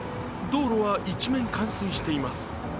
道路は一面、冠水しています。